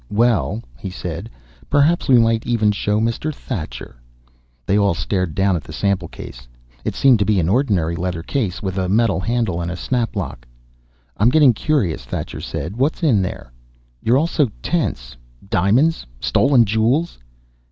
"Well?" he said. "Perhaps we might even show Mr. Thacher." They all stared down at the sample case. It seemed to be an ordinary leather case, with a metal handle and a snap lock. "I'm getting curious," Thacher said. "What's in there? You're all so tense. Diamonds? Stolen jewels?"